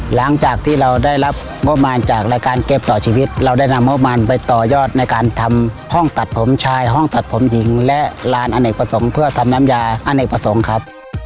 หลังจากที่เราได้รับงบประมาณจากรายการเกมต่อชีวิตเราได้นำงบมันไปต่อยอดในการทำห้องตัดผมชายห้องตัดผมหญิงและลานอเนกประสงค์เพื่อทำน้ำยาอเนกประสงค์ครับ